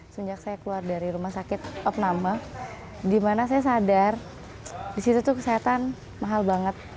sejak saya keluar dari rumah sakit opname di mana saya sadar disitu tuh kesehatan mahal banget